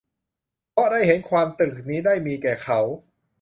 เพราะได้เห็น ความตรึกนี้ ได้มีแก่เขา